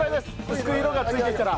薄く色がついてきたら。